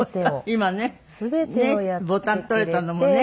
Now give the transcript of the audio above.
今ね。